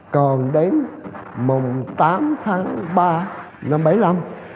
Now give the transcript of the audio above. còn đến mùng tám tháng ba năm một nghìn chín trăm bảy mươi năm